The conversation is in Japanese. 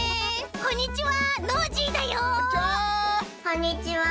こんにちは！